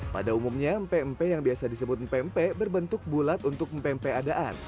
pada umumnya mpe mpe yang biasa disebut mpe mpe berbentuk bulat untuk mpe mpe adaan